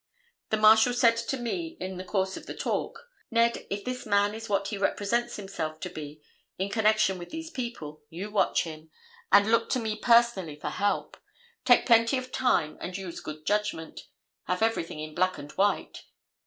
The Marshal said to me in the course of the talk, 'Ned, if this man is what he represents himself to be, in connection with these people, you watch him, and look to me personally for help. Take plenty of time and use good judgment. Have everything in black and white.